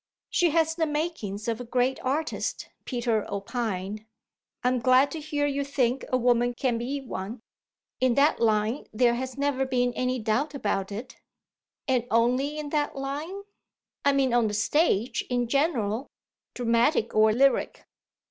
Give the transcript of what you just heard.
"She has the makings of a great artist," Peter opined. "I'm glad to hear you think a woman can be one." "In that line there has never been any doubt about it." "And only in that line?" "I mean on the stage in general, dramatic or lyric.